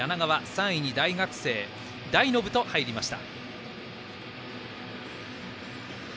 ３位に大学生の台信が入りました。